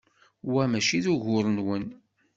Wa mačči d ugur-nwen.